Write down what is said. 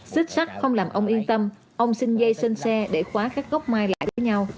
xích sắt không làm ông yên tâm ông xin dây sân xe để khóa các gốc mai lại với nhau